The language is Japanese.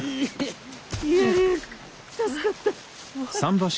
助かった！